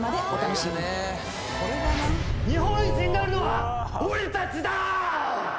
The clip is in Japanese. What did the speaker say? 日本一になるのは俺たちだ！